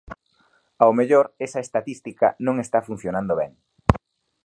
Ao mellor esa estatística non está funcionando ben.